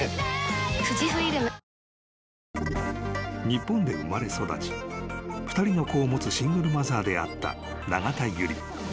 ［日本で生まれ育ち２人の子を持つシングルマザーであった永田有理］